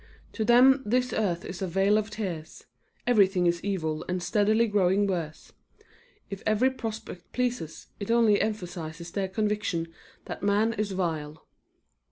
To them this earth is a vale of tears; everything is evil and steadily growing worse; if every prospect pleases it only emphasizes their conviction that man is vile.